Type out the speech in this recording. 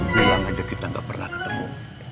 bilang aja kita gak pernah ketemu